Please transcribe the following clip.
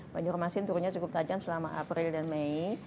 banjarmasin turunnya cukup tajam selama april dan mei